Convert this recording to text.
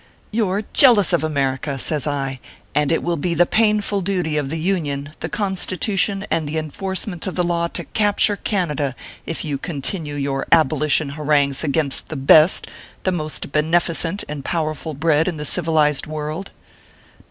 "You re jealous of America/ says I, "and it will be the painful duty of the Union, the Constitution, and the Enforcement of the Law to capture Canada, if you continue your abolition harangues against the best, the most beneficent and powerful bread in the civilized world."